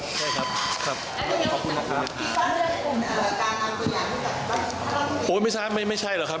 คุณสามารถเรียกคุณต่างตัวอย่างแล้วกับโอ้ไม่สามารถไม่ไม่ใช่หรอกครับ